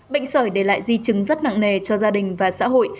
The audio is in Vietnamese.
bệnh sởi để lại di chứng rất nặng nề cho gia đình và xã hội